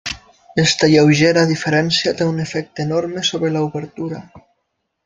Aquesta lleugera diferència té un efecte enorme sobre l'obertura.